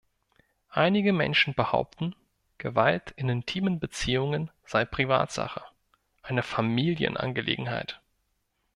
Einige Menschen behaupten, Gewalt in intimen Beziehungen sei Privatsache, eine Familienangelegenheit.